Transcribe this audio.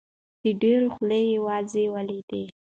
د ډېرو خولې وازې ولیدې.